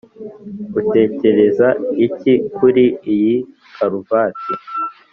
utekereza iki kuri iyi karuvati?